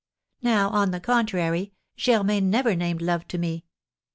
Now, on the contrary, Germain never named love to me.